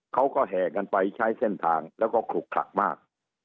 เขาก็แห่กันไปใช้เส้นทางแล้วก็ขลุกขลักมาก